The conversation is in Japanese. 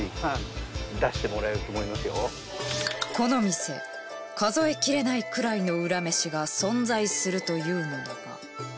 この店数えきれないくらいのウラ飯が存在するというのだが。